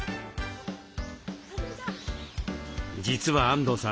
実は安藤さん